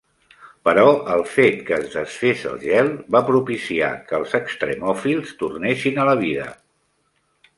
Però el fet que es desfés el gel va propiciar que els extrèmofils tornessin a la vida.